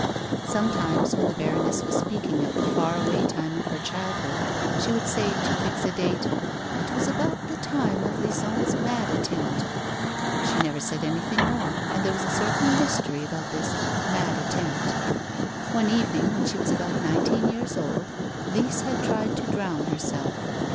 Sometimes when the baroness was speaking of the fai away time of her childhood she would say to fix a date :" It was about the time of Lison's mad attempt." She never said anything more, and there was a certain mystery about this " mad attempt." One evening, when she was about nineteen years old, Lise had tried to drown herself.